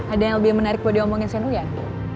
ada yang lebih menarik buat diomongin sama uyan